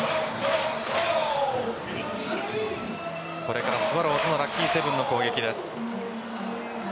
これからスワローズのラッキーセブンの攻撃です。